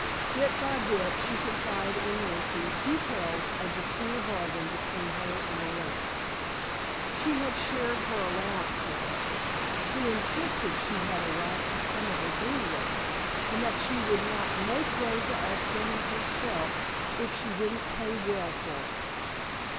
Bit by bit she confided in Nancy details of the queer bargain between her and Orilla. She had shared her allowance with her, who insisted she had a right to some of it anyway, and that she would not "make Rosa as thin as herself" if she didn't pay well for it.